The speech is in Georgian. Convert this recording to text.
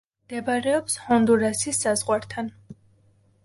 მდებარეობს ჰონდურასის საზღვართან.